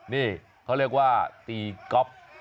นี่เขาเรียกว่าตีก๊อฟ